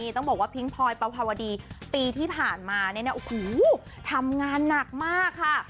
ต้องบอกว่าพิงพลอยปภาวดีปีที่ผ่านมาเนี่ยนะโอ้โหทำงานหนักมากค่ะ